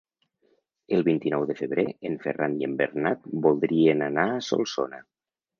El vint-i-nou de febrer en Ferran i en Bernat voldrien anar a Solsona.